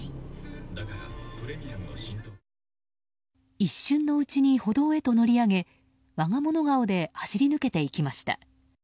一瞬のうちに歩道へと乗り上げ我が物顔で走り抜けていきました。